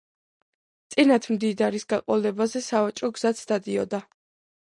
წინათ მდინარის გაყოლებაზე სავაჭრო გზაც გადიოდა.